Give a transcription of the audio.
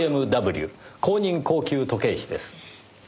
ＣＭＷ公認高級時計師です。